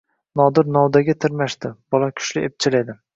Nodir novdaga tirmashdi, bola kuchli, epchil edi.